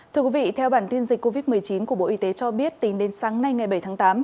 thưa quý vị theo bản tin dịch covid một mươi chín của bộ y tế cho biết tính đến sáng nay ngày bảy tháng tám